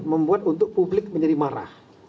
membuat untuk publik menjadi marah